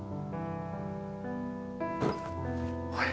おい。